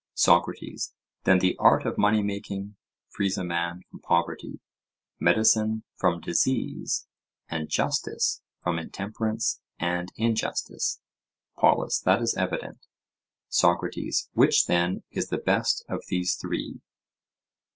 SOCRATES: Then the art of money making frees a man from poverty; medicine from disease; and justice from intemperance and injustice? POLUS: That is evident. SOCRATES: Which, then, is the best of these three?